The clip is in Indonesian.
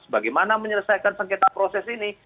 bagaimana menyelesaikan sengketa proses ini